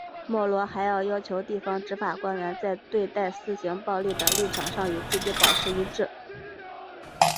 莫罗还要求地方执法官员在对待私刑暴力的立场上与自己保持一致。